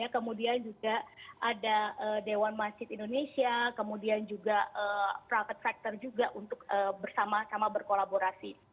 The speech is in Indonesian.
kemudian juga ada dewan masjid indonesia kemudian juga private factor juga untuk bersama sama berkolaborasi